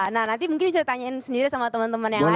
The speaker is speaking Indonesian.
nah nanti mungkin bisa ditanyain sendiri sama teman teman yang lain